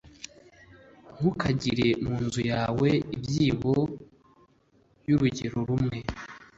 Ntukagire mu nzu yawe ibyibo b urugero rumwe